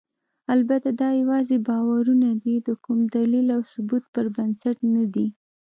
البته دا یواځې باورونه دي، د کوم دلیل او ثبوت پر بنسټ نه دي.